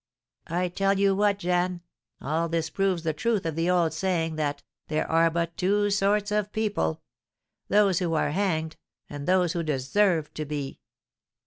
I tell you what, Jeanne, all this proves the truth of the old saying, that 'There are but two sorts of people, those who are hanged, and those who deserve to be!'"